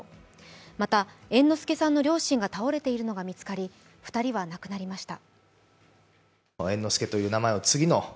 また、猿之助さんの両親が倒れているのが見つかり２人は亡くなりました。